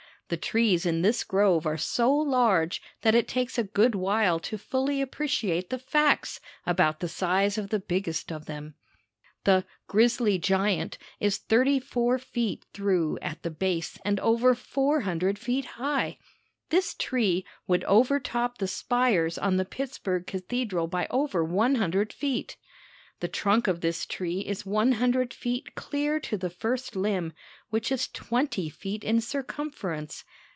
The trees in this grove are so large that it takes a good while to fully appreciate the facts about the size of the biggest of them. The "Grizzly Giant" is thirty four feet through at the base and over 400 feet high. This tree would overtop the spires on the Pittsburg cathedral by over 100 feet. The trunk of this tree is 100 feet clear to the first limb, which is twenty feet in circumference.